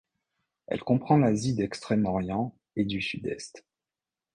Elle comprend l'Asie d'Extrême-Orient et du Sud-Est.